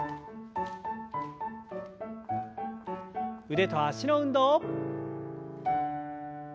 腕と脚の運動。